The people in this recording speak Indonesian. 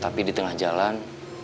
tapi di tengah jalan